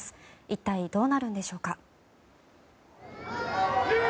一体どうなるんでしょうか。